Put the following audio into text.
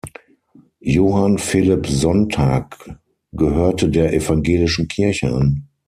Johann Philipp Sonntag gehörte der evangelischen Kirche an.